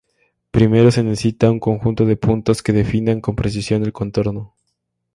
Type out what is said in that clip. Primero se necesita un conjunto de puntos que definan con precisión el contorno.